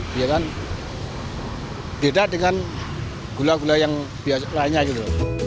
dia kan beda dengan gula gula yang lainnya gitu